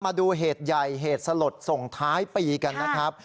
มาดูเหตุใหญ่เหตุสลดส่งท้ายปีกันนะครับ